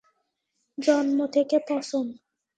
জন্ম থেকে পঁচন!